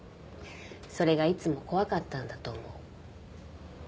それがいつも怖かったんだと思う。